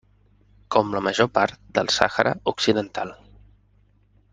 Com la major part del Sàhara Occidental.